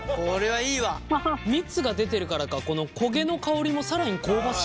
蜜が出てるからかこの焦げの香りも更に香ばしい。